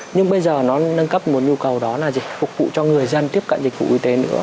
nhưng bây giờ nó nâng cấp một nhu cầu đó là gì phục vụ cho người dân tiếp cận dịch vụ y tế nữa